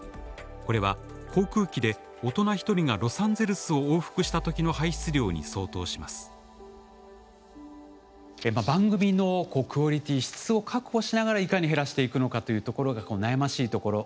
これは航空機で大人一人がロサンゼルスを往復したときの排出量に相当します番組のクオリティー質を確保しながらいかに減らしていくのかというところが悩ましいところ。